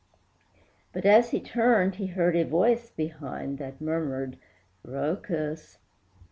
But, as he turned, he heard a voice behind That murmured "Rhœcus!"